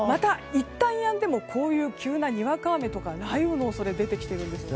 いったんやんでもこういう急なにわか雨とか雷雨の恐れが出てきているんですね。